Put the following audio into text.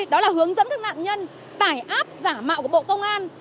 đó là hướng dẫn các nạn nhân tải app giả mạo của bộ công an